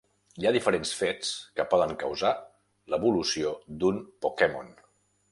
Hi ha diferents fets que poden causar l'evolució d'un Pokémon.